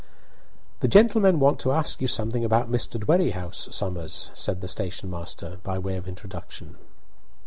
"The gentlemen want to ask you something about Mr. Dwerrihouse, Somers," said the station master, by way of introduction.